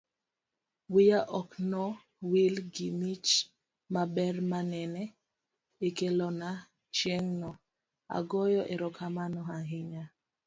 wiya ok no wil gi mich maber manene ikelona chieng'no. agoyo erokamano ahinya